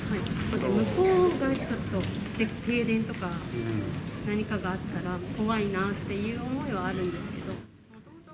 向こうがちょっと、停電とか、何かがあったら怖いなっていう思いはあるんですけど。